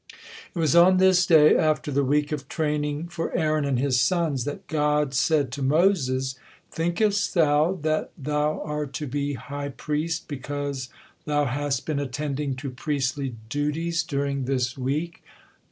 It was on this day after "the week of training" for Aaron and his sons that God said to Moses: "Thinkest thou that thou are to be high priest because thou hast been attending to priestly duties during this week?